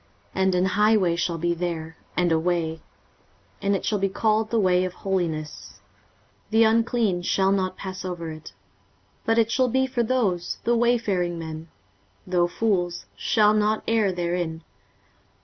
23:035:008 And an highway shall be there, and a way, and it shall be called The way of holiness; the unclean shall not pass over it; but it shall be for those: the wayfaring men, though fools, shall not err therein.